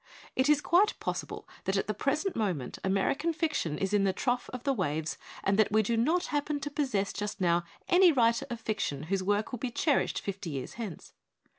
It is quite possible that at the present mo ment American fiction is in the trough of the waves and that we do not happen to possess just now any writer of fiction whose work will be cherished fifty years hence.